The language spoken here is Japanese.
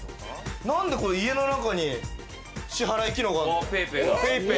なんで家の中に支払い機能が。